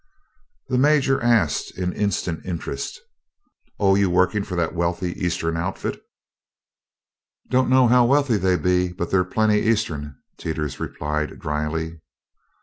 The Major asked in instant interest: "Oh, you're workin' for that wealthy eastern outfit?" "Don't know how wealthy they be, but they're plenty eastern," Teeters replied dryly.